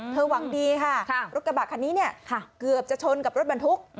หวังดีค่ะรถกระบะคันนี้เนี่ยเกือบจะชนกับรถบรรทุก